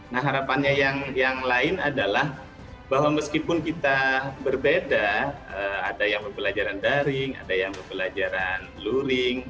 nah harapannya yang lain adalah bahwa meskipun kita berbeda ada yang pembelajaran daring ada yang pembelajaran luring